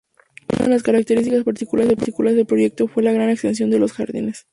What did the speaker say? Una de las características particulares del proyecto fue la gran extensión de los jardines.